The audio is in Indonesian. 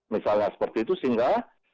misalnya seperti itu sehingga